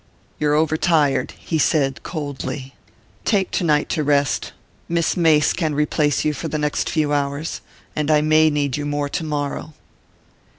"You're over tired," he said coldly. "Take tonight to rest. Miss Mace can replace you for the next few hours and I may need you more tomorrow."